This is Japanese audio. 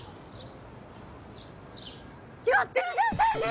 やってるじゃん星人！